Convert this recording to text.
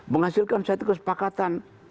menghasilkan satu kesepakatan